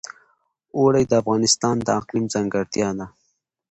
اوړي د افغانستان د اقلیم ځانګړتیا ده.